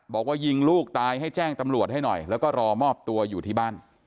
บอกว่ายิงลูกตายให้แจ้งตำรวจให้หน่อยแล้วก็รอมอบตัวอยู่ที่บ้าน